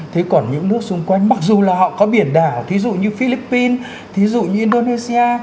thế còn những nước xung quanh mặc dù là họ có biển đảo thí dụ như philippines thí dụ như indonesia